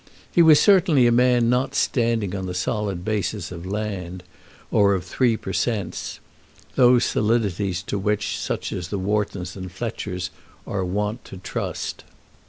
He was certainly a man not standing on the solid basis of land, or of Three per Cents, those solidities to which such as the Whartons and Fletchers are wont to trust.